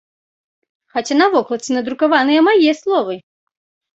Хаця на вокладцы надрукаваныя мае словы!